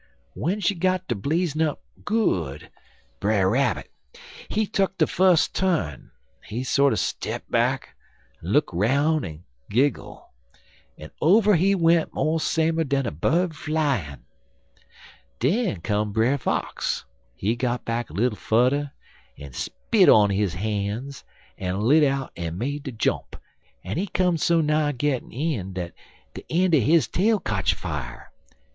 W'en she got ter blazin' up good, Brer Rabbit, he tuck de fus turn. He sorter step back, en look 'roun' en giggle, en over he went mo' samer dan a bird flyin'. Den come Brer Fox. He got back little fudder, en spit on his han's, en lit out en made de jump, en he come so nigh gittin' in dat de een' er his tail kotch afier.